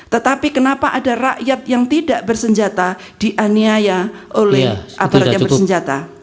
tetapi kenapa ada rakyat yang tidak bersenjata dianiaya oleh aparat yang bersenjata